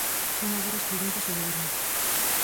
Son agora as preguntas ao Goberno.